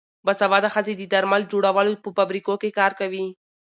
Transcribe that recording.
باسواده ښځې د درمل جوړولو په فابریکو کې کار کوي.